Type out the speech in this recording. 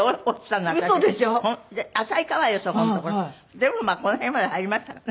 でもまあこの辺まで入りましたかね。